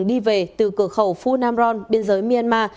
trong lúc xe đang trên đường đi về từ cửa khẩu phu nam ron biên giới myanmar